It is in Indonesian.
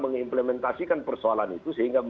mengimplementasikan persoalan itu sehingga